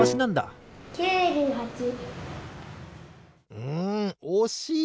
うんおしい！